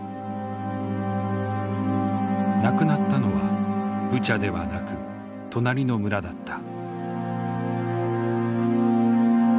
亡くなったのはブチャではなく隣の村だった。